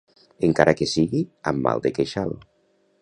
Encara que sigui amb mal de queixal